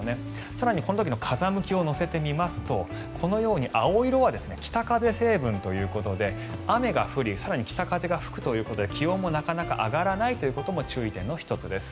更にこの時の風向きを乗せてみますとこのように青色は北風成分ということで雨が降り更に北風が吹くということで気温もなかなか上がらないということも注意点の１つです。